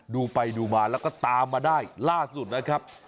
ดูไปดูมาแล้วก็ตามมาได้ล่าสุดนะครับ